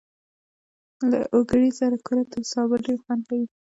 له اوگرې سره کورت او سابه ډېر خوند کوي.